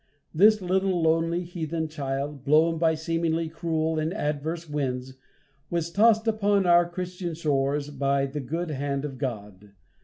This little lonely heathen child, blown by seemingly cruel and adverse winds, was tossed upon our Christian shores by the good hand of God.